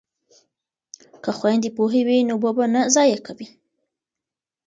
که خویندې پوهې وي نو اوبه به نه ضایع کوي.